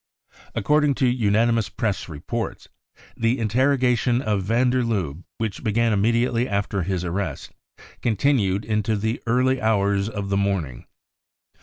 According to unanimous Press reports, the interrogation of van der Lubbe, which began immediately after his arrest, continued into the early hours of the morning.